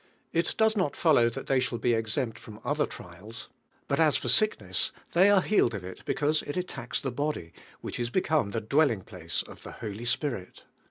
It does not follow IhSit they shall be exempl from other [rials; 'but as for sickness, they are healed of il because il nliat'k* I he body, which is become the dwelling place of the Holy Spirit.